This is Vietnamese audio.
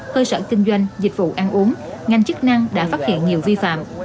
cơ sở kinh doanh dịch vụ ăn uống ngành chức năng đã phát hiện nhiều vi phạm